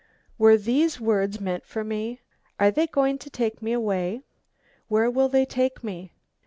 Were these words meant for me? Are they going to take me away? Where will they take me?